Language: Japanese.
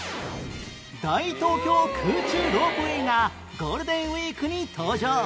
大東京空中ロープウェイがゴールデンウィークに登場